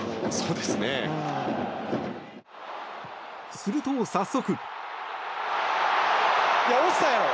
すると、早速。